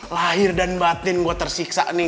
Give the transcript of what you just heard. lahir dan batin gue tersiksa nih